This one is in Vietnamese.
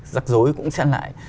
giặc dối cũng sẽ lại